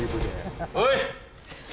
おい。